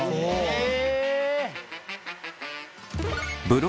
へえ。